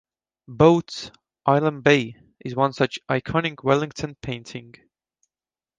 "Boats, Island Bay" is one such iconic Wellington painting.